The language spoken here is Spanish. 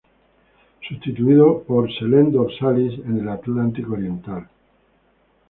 Sustituido por "Selene dorsalis" en el Atlántico oriental.